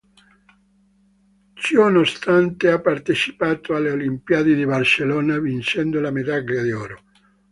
Ciononostante ha partecipato alle Olimpiadi di Barcellona, vincendo la medaglia d'oro.